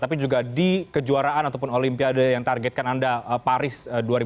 tapi juga di kejuaraan ataupun olimpiade yang targetkan anda paris dua ribu dua puluh